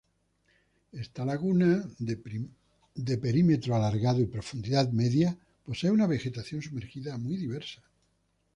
Esta laguna, de perímetro alargado y profundidad media, posee una vegetación sumergida muy diversa.